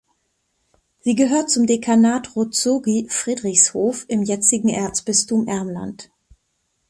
Sie gehört zum Dekanat Rozogi "(Friedrichshof)" im jetzigen Erzbistum Ermland.